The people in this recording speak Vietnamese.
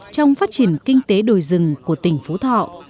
trong phát triển kinh tế đồi rừng của tỉnh phú thọ